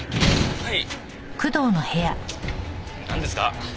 はい。